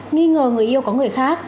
nghi ngờ người yêu có người khác